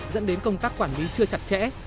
dẫn đến công tác quản lý chưa chặt chẽ